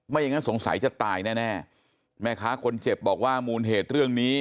อย่างนั้นสงสัยจะตายแน่แน่แม่ค้าคนเจ็บบอกว่ามูลเหตุเรื่องนี้